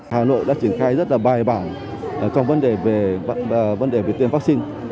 hà nội đã triển khai rất là bài bảo trong vấn đề về tiêm vaccine